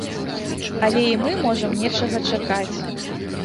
Але і мы можам нечага чакаць.